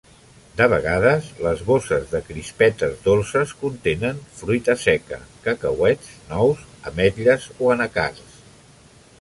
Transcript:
De vegades, les bosses de crispetes dolces contenen fruita seca (cacauets, nous, ametlles o anacards).